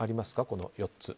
この４つ。